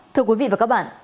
thưa quý vị và các bạn